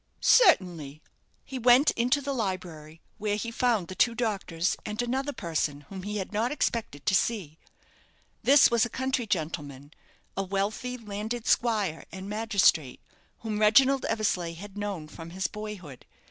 "Certainly." He went into the library, where he found the two doctors, and another person, whom he had not expected to see. This was a country gentleman a wealthy landed squire and magistrate whom Reginald Eversleigh had known from his boyhood.